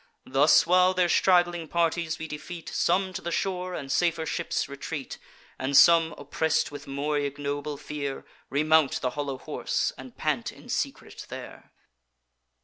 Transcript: Thus while their straggling parties we defeat, Some to the shore and safer ships retreat; And some, oppress'd with more ignoble fear, Remount the hollow horse, and pant in secret there.